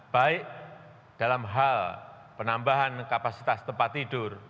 baik dalam hal penambahan kapasitas tempat tidur